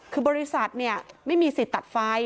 คือบริษัทไม่มีสิทธิ์ตัดไฟ